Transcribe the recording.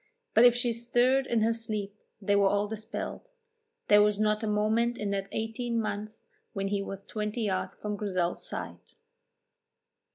But if she stirred in her sleep they were all dispelled; there was not a moment in that eighteen months when he was twenty yards from Grizel's side.